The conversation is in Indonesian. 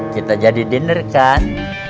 kita jadi diner kan